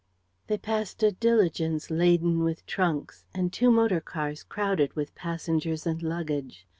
They passed a diligence, laden with trunks, and two motor cars crowded with passengers and luggage.